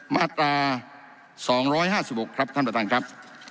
มาตรา๒๕๖ครับท่านประธานครับ